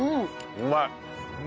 うまい！